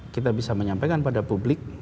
kita bisa menyampaikan pada publik